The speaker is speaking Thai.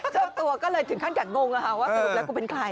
เจ้าตัวก็เลยถึงขั้นกัดงงว่ากูเป็นใคร